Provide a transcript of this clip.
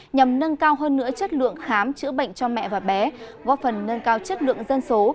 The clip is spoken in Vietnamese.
nhằm nâng cao hơn nữa chất lượng khám chữa bệnh cho mẹ và bé góp phần nâng cao chất lượng dân số